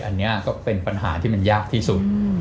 อันนี้ก็เป็นปัญหาที่มันยากที่สุด